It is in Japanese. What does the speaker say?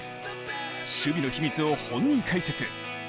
守備の秘密を本人解説。